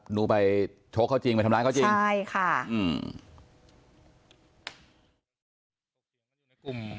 หนูไปโชคเขาจริงไปทำร้ายเขาจริงใช่ค่ะอืม